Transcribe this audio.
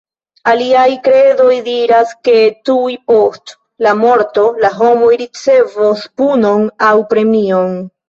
Aliaj kredoj diras ke tuj post la morto, la homoj ricevos punon aŭ premion.